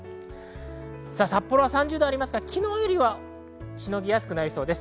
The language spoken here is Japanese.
札幌は３０度ありますが、昨日よりはしのぎやすくなりそうです。